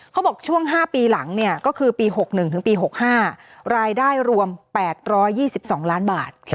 ช่วง๕ปีหลังก็คือปี๖๑ถึงปี๖๕รายได้รวม๘๒๒ล้านบาท